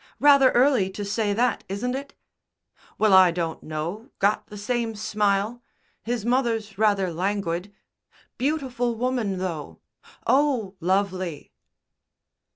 "Rather early to say that, isn't it?" "Well, I don't know, got the same smile. His mother's rather languid." "Beautiful woman, though." "Oh, lovely!"